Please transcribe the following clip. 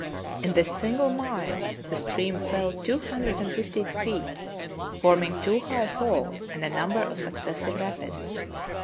In this single mile the stream fell two hundred and fifty feet, forming two high falls and a number of successive rapids.